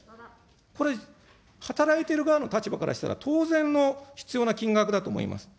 これ、働いている側の立場からしたら、当然の必要な金額だと思います。